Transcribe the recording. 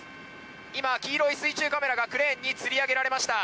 今、黄色い水中カメラがクレーンにつり上げられました。